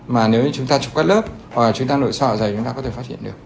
mà nếu như chúng ta chụp các lớp hoặc là chúng ta nội so ở dày chúng ta có thể phát hiện được